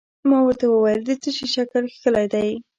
ما ورته وویل: د څه شي شکل کښلی دی؟